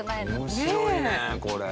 面白いねこれ。